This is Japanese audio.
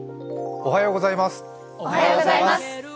おはようございます。